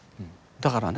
だからね